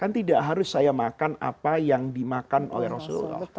kan tidak harus saya makan apa yang dimakan oleh rasulullah